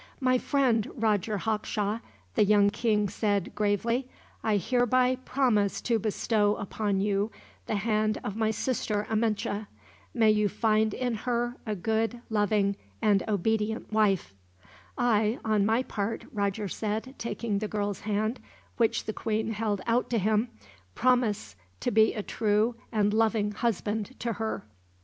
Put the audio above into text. "My friend, Roger Hawkshaw," the young king said, gravely; "I hereby promise to bestow upon you the hand of my sister Amenche. May you find in her a good, loving, and obedient wife." "I, on my part," Roger said, taking the girl's hand, which the queen held out to him, "promise to be a true and loving husband to her."